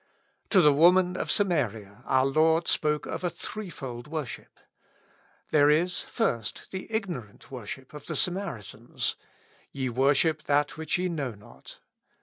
To the woman of Samaria our Lord spoke of a threefold worship. There is first, the ignorant wor ship of the Samaritans: "Ye worship that which ye know not."